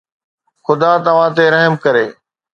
خدا توهان تي رحم ڪري